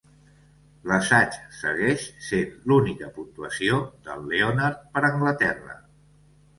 L'assaig segueix sent l'única puntuació del Leonard per Anglaterra.